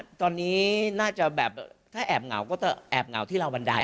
ตอนนี้น่าจะแบบถ้าแอบเหงาก็จะแอบเหงาที่เราบันได